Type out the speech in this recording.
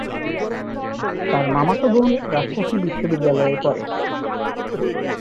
তার মামাতো বোন রাজশাহী বিশ্বনিদ্যালয়ে পড়ে।